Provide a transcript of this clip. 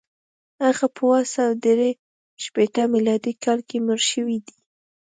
هغه په اووه سوه درې شپېته میلادي کال کې مړ شوی دی.